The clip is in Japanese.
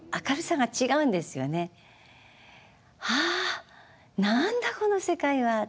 「ああ何だこの世界は。